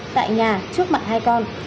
tại nhà trước mặt hai con